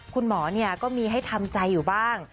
คุณหมอก็มีให้ทำใจอยู่บ้าง